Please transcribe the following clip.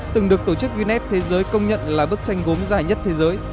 từng được tổ chức guinness thế giới công nhận là bức tranh gốm dài nhất thế giới